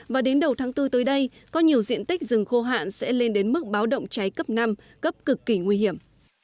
và đến đầu tháng bốn tới đây có nhiều diện tích rừng khô hạn sẽ lên đến mức báo động cháy cấp năm cấp cực kỳ nguy hiểm